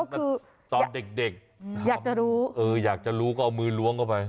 ก็ตอนเด็กเด็กอยากจะรู้เอออยากจะรู้ก็เอามือล้วงเข้าไป